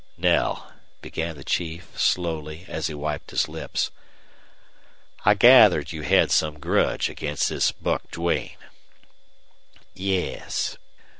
"Knell," began the chief, slowly, as he wiped his lips, "I gathered you have some grudge against this Buck Duane." "Yes."